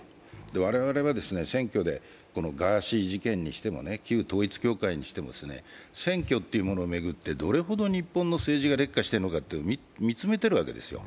我々は選挙で、ガーシー事件にしても旧統一教会にしても、選挙を巡ってどれほど日本の政治が劣化しているか見つめているわけですよ。